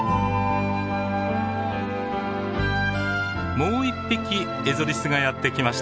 もう１匹エゾリスがやって来ました。